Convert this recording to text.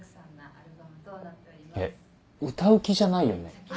えっ歌う気じゃないよね？